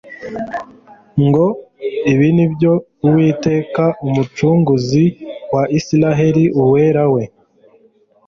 ngo : «Ibi nibyo Uwiteka Umucunguzi wa Isiraeli Uwera we,